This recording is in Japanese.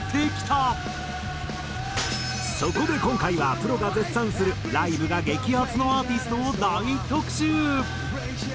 そこで今回はプロが絶賛するライブが激アツのアーティストを大特集！